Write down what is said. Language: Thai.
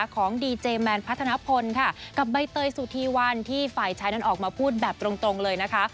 ของดีเจแมนพัฒนพลค่ะกับใบเตยสุธีวันที่ฝ่ายชายนั้นออกมาพูดแบบตรงเลยนะคะ